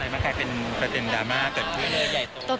มันกลายเป็นประเด็นดราม่าเกิดขึ้นเลยใหญ่โต